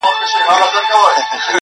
دغه پاڼ به مي په یاد وي له دې دمه؛